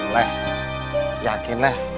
leh yakin leh